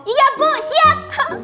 iya bu siap